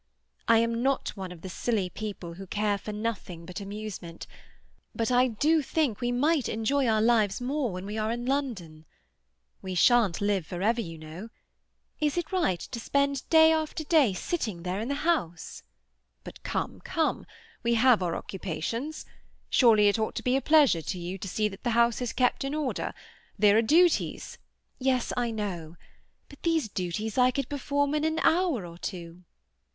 I am not one of the silly people who care for nothing but amusement, but I do think we might enjoy our lives more when we are in London. We shan't live for ever, you know. Is it right to spend day after day sitting there in the house—" "But come, come; we have our occupations. Surely it ought to be a pleasure to you to see that the house is kept in order. There are duties—" "Yes, I know. But these duties I could perform in an hour or two."